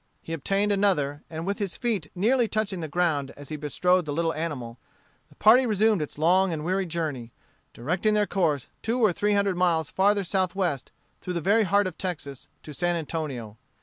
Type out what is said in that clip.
He obtained another, and, with his feet nearly touching the ground as he bestrode the little animal, the party resumed its long and weary journey, directing their course two or three hundred miles farther southwest through the very heart of Texas to San Antonio.